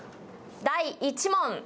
第１問。